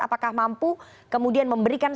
apakah mampu kemudian memberikan